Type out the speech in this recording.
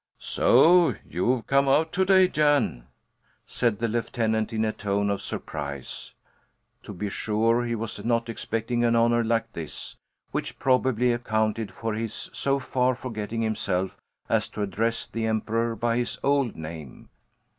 "So you've come out to day, Jan," said the lieutenant in a tone of surprise. To be sure he was not expecting an honour like this, which probably accounted for his so far forgetting himself as to address the Emperor by his old name.